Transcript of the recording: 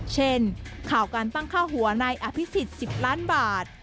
เช่นข่าวการตั้งค่าหัวนายอภิษฎ๑๐ล้านบาท